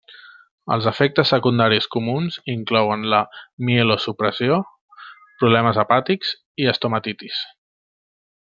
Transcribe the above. Els efectes secundaris comuns inclouen la mielosupressió, problemes hepàtics i estomatitis.